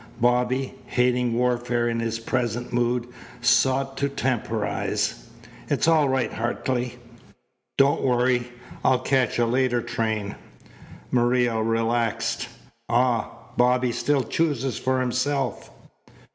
Bobby, hating warfare in his present mood, sought to temporize: "It's all right, Hartley. Don't worry. I'll catch a later train." Maria relaxed. "Ah! Bobby still chooses for himself."